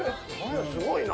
すごいな。